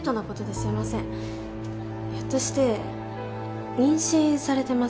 ひょっとして妊娠されてませんか？